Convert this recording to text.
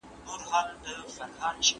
د کابل لاره د افغانانو په لاس کې وه.